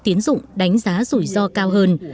tiến dụng đánh giá rủi ro cao hơn